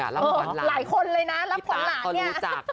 หลายคนเลยนะรำขนหลาน